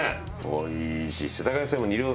おいしい。